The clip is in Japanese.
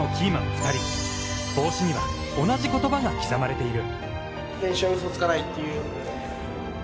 ２人、帽子には同じ言葉が刻まれている。